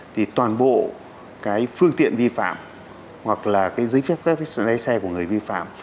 thì toàn bộ cái phương tiện vi phạm hoặc là cái giấy phép lấy xe của người vi phạm